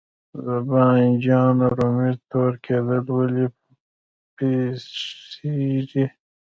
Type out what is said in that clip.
د بانجان رومي تور کیدل ولې پیښیږي؟